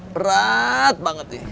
berat banget ini